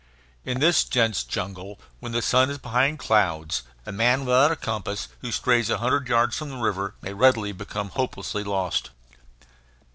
In this dense jungle, when the sun is behind clouds, a man without a compass who strays a hundred yards from the river may readily become hopelessly lost.